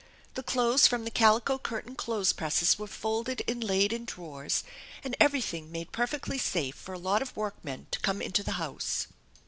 The clothes from the calico curtained clothes presses were folded and laid in drawers, and everything made perfectly safe for a lot of workmen to come into the house.